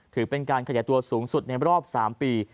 ถือเป็นการขยายตัวสูงสุดในรอบ๓ปี